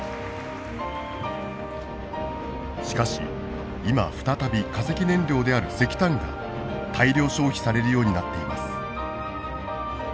しかし今再び化石燃料である石炭が大量消費されるようになっています。